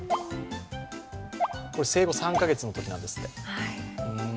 これ、生後３カ月のときなんですって。